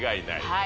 はい。